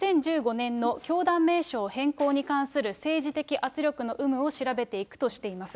２０１５年の教団名称変更に関する政治的圧力の有無を有無を調べていくとしています。